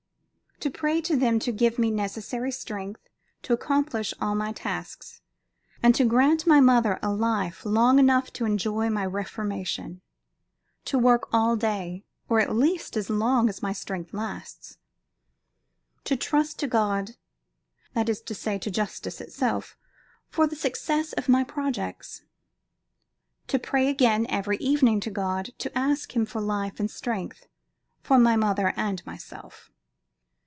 To pray to them to give me necessary strength to accomplish all my tasks, and to grant my mother a life long enough to enjoy my reformation. To work all day, or at least as long as my strength lasts. To trust to God that is to say, to Justice itself for the success of my projects. To pray again every evening to God to ask Him for life and strength, for my mother and myself.